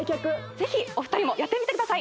ぜひお二人もやってみてください